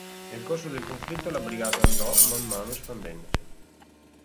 Nel corso del conflitto la brigata andò, man mano, espandendosi.